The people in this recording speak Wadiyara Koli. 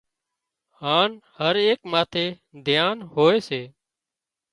هانَ هر ايڪ ماٿي ڌيان هوئي سي